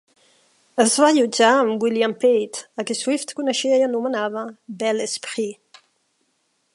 Es va allotjar amb William Pate, a qui Swift coneixia i anomenava "bel esprit".